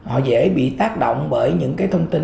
họ dễ bị tác động bởi những cái thông tin